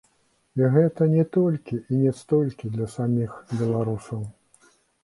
І гэта не толькі і не столькі для саміх беларусаў.